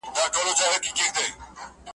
ملتونه د همکارۍ اړتیا لري.